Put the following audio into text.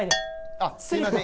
あすいません